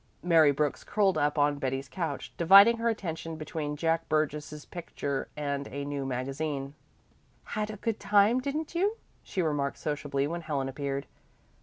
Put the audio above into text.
Mary Brooks curled up on Betty's couch, dividing her attention between Jack Burgess's picture and a new magazine. "Had a good time, didn't you?" she remarked sociably when Helen appeared.